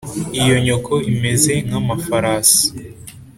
Iyo nyoko imeze nk’amafarasi,